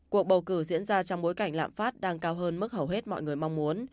cuộc bầu cử diễn ra trong bối cảnh lạm phát đang cao hơn mức hầu hết mọi người mong muốn